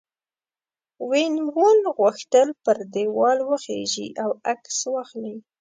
وین وون غوښتل پر دیوال وخیژي او عکس واخلي.